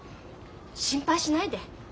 心配しないで。